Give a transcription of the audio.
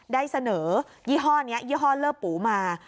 ได้เสนอยี่ห้อนี้ยี่ห้อเลอร์ปูมา